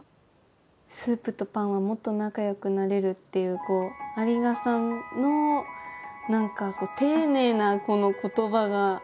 「スープとパンはもっと仲よくなれる」っていう有賀さんの何か丁寧なこの言葉がいいですね。